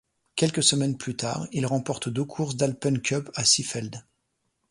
Quelques semaines plus tard, il remporte deux courses d'Alpen Cup à Seefeld.